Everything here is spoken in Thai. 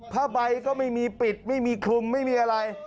ผ้าใบก็ไม่มีปิดไม่มีคลุมไม่มีอะไร